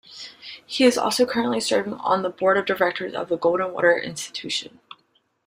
He is also currently serving on the Board of Directors of the Goldwater Institute.